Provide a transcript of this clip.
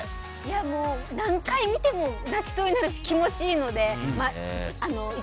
もう、何回見ても泣きそうになるし気持ちいいので。